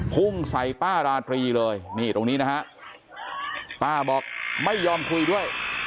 พุ่งใส่ป้าราตรีเลยนี่ตรงนี้นะฮะป้าบอกไม่ยอมคุยด้วย